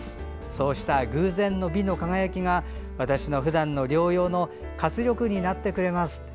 そうした偶然の美の輝きが私の日々の療養の活力になってくれます。